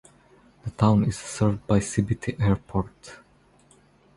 The town is served by Sibiti Airport.